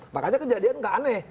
makanya kejadian nggak aneh